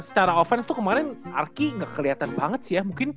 secara offense tuh kemaren arki ga keliatan banget sih ya mungkin